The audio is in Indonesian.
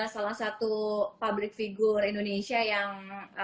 salah satu pabrik figur indonesia yang